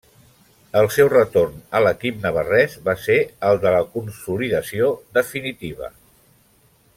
El seu retorn a l'equip navarrès va ser el de la consolidació definitiva.